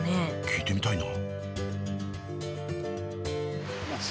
聞いてみたいな。